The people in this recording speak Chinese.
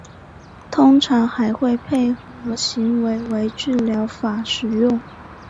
通常还会配合行为治疗法使用。